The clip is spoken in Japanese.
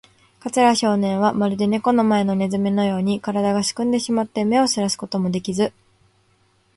桂少年は、まるでネコの前のネズミのように、からだがすくんでしまって、目をそらすこともできず、